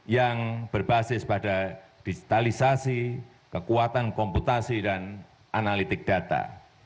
yang berbasis pada digitalisasi kekuatan komputasi dan analitik data